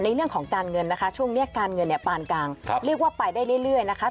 ในเรื่องของการเงินนะคะช่วงนี้การเงินเนี่ยปานกลางเรียกว่าไปได้เรื่อยนะคะ